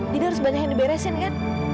jadi harus banyak yang diberesin kan